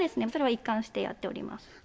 それは一貫してやっております